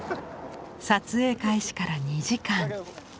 撮影開始から２時間。